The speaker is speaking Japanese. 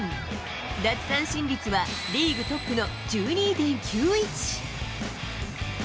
奪三振率はリーグトップの１２．９１。